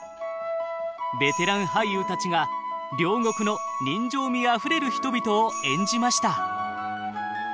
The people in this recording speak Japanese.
ベテラン俳優たちが両国の人情味あふれる人々を演じました。